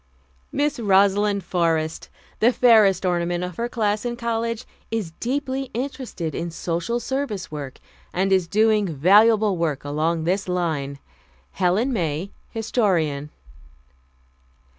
"Miss Rosalind Forrest, the fairest ornament of her class in college, is deeply interested in Social Service work, and is doing valuable work along this line." "Helen May, Historian."